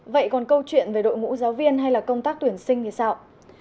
vậy còn câu chuyện về đội ngũ giáo viên hay là công tác tuyển sinh như sao